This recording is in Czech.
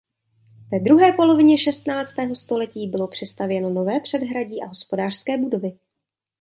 Ve druhé polovině šestnáctého století bylo přistavěno nové předhradí a hospodářské budovy.